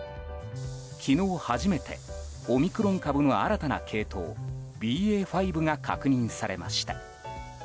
昨日、初めてオミクロン株の新たな系統ＢＡ．５が確認されました。